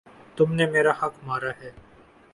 تم نے میرا حق مارا ہے